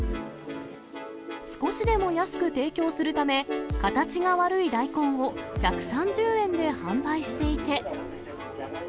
少しでも安く提供するため、形が悪い大根を１３０円で販売していて。